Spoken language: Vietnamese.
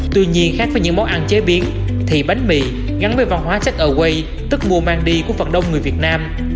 tuy nhiên khác với những món ăn chế biến thì bánh mì gắn với văn hóa check ory tức mua mang đi của phần đông người việt nam